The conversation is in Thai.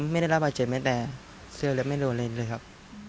ผมไม่ได้รับประเศษแม้แต่เสื้อและไม่โดนเลยครับ